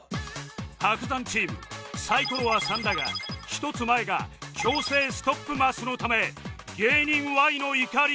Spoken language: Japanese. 伯山チームサイコロは３だが１つ前が強制ストップマスのため「芸人 Ｙ の怒り」